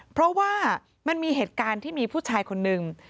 เพราะว่ามันมีเหตุการณ์ที่มีผู้ชายคนนึง